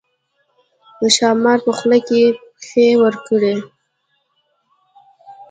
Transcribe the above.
ښامار په خوله کې پښې ورکړې.